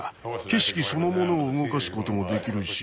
景色そのものを動かすこともできるし。